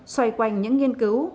xoay quanh những nghiên cứu